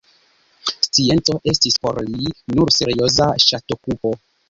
Scienco estis por li nur serioza ŝatokupo.